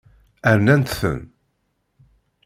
Rnant-ten.